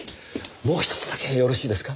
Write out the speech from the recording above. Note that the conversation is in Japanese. もう１つだけよろしいですか？